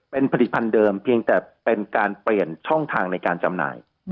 เป็นผลิตภัณฑ์เดิมเพียงแต่เป็นการเปลี่ยนช่องทางในการจำหน่าย